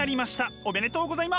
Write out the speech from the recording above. おめでとうございます！